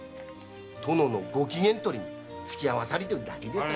殿のご機嫌取りにつき合わされてるだけです。